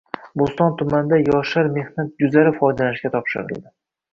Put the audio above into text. Bo‘ston tumanida «Yoshlar mehnat guzari» foydalanishga topshirildi